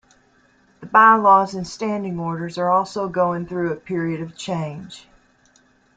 The Bye-Laws and Standing Orders are also going through a period of change.